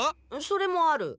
それもある。